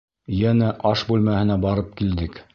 Йәнә аш бүлмәһенә барып килдек...